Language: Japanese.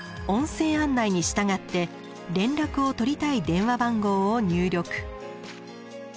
音声案内に従って連絡を取りたい電話番号を入力。